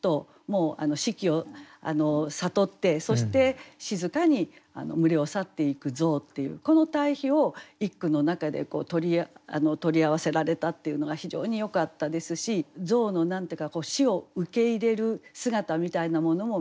もう死期を悟ってそして静かに群れを去っていく象っていうこの対比を一句の中で取り合わせられたっていうのが非常によかったですし象の何て言うか死を受け入れる姿みたいなものも見えて